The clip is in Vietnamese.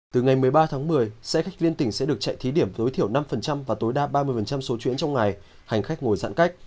từ ngày một mươi ba tháng một mươi xe khách liên tỉnh sẽ được chạy thí điểm tối thiểu năm và tối đa ba mươi số chuyến trong ngày hành khách ngồi giãn cách